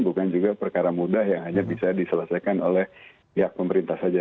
bukan juga perkara mudah yang hanya bisa diselesaikan oleh pihak pemerintah saja